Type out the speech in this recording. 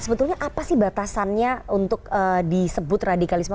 sebetulnya apa sih batasannya untuk disebut radikalisme